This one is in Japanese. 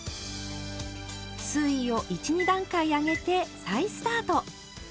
水位を１２段階上げて再スタート。